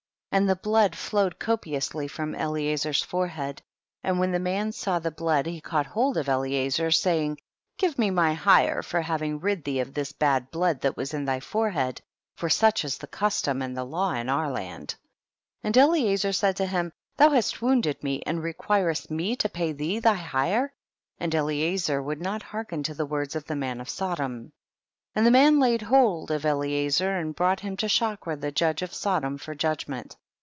17. And the blood flowed copious ly from Eliezer's forehead, and when the man saw the blood he caught hold of Eliezer, saying, give me my hire for having rid thee of this bad blood that was in thy forehead, for such is the custom and the law in our land. 18. And Eliezer said to him, thou hast wounded me and reqiiirest me to pay thee thy hire ; and Eliezer would not hearken to the words of the man of Sodom. 19. And the man laid hold of Elie zer and brought him to Shakra the judge of Sodom for judgment.